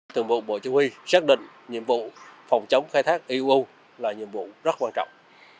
thường vụ bộ chỉ huy xác định nhiệm vụ phòng chống khai thác iuu là nhiệm vụ rất quan trọng